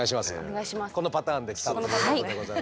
このパターンで来たということでございます。